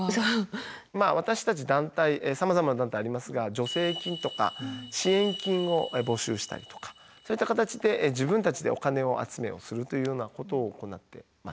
私たち団体さまざまな団体ありますが助成金とか支援金を募集したりとかそういった形で自分たちでお金集めをするというようなことを行っています。